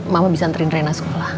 mama bisa nerin rena sekolah